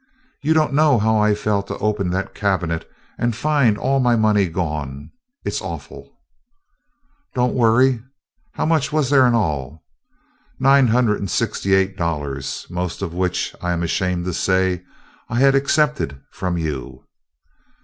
You don't know how I felt to open that cabinet and find all my money gone. It 's awful." "Don't worry. How much was there in all?" "Nine hundred and eighty six dollars, most of which, I am ashamed to say, I had accepted from you."